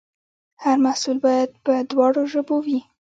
هر محصول باید په دواړو ژبو وي.